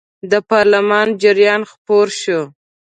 د پارلمان جریان خپور شو.